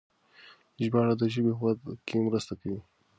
ژباړه د ژبې په وده کې مرسته کوي.